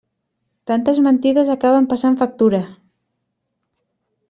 Tantes mentides acaben passant factura.